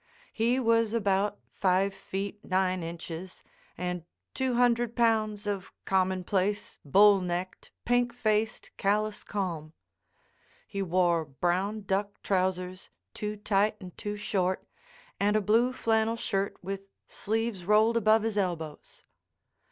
He was about five feet nine inches, and two hundred pounds of commonplace, bull necked, pink faced, callous calm. He wore brown duck trousers too tight and too short, and a blue flannel shirt with sleeves rolled above his elbows.